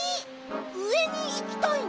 うえにいきたいの？